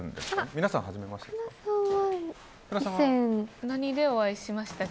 皆さん、初めまして？